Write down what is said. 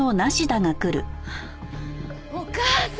お母さん！